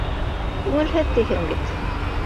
Күңелһеҙ тиһең бит.